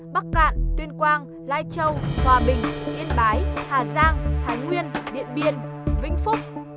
bắc cạn tuyên quang lai châu hòa bình yên bái hà giang thái nguyên điện biên vĩnh phúc